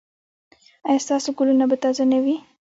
ایا ستاسو ګلونه به تازه نه وي؟